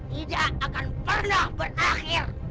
tidak akan pernah berakhir